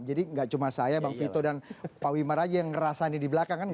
jadi nggak cuma saya bang vito dan pak wibar aja yang ngerasain di belakang